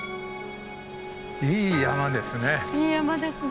いい山ですね。